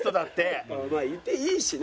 まあいていいしね。